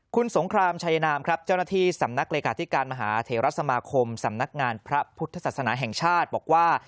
คุณสงครามชัยนามครับเจ้าหน้าที่สำนักเลขาธิการมหาเถระสมาคมสำนักงานพระพุทธศาสนาแห่งชาติบอกว่า